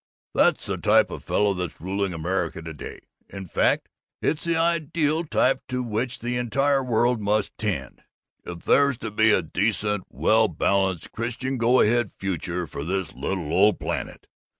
"'That's the type of fellow that's ruling America to day; in fact, it's the ideal type to which the entire world must tend, if there's to be a decent, well balanced, Christian, go ahead future for this little old planet!